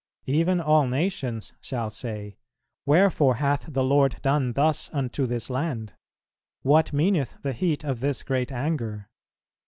. even all nations shall say, Wherefore hath the Lord done thus unto this land? What meaneth the heat of this great anger?